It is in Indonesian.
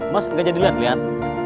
mas enggak jadi liat liat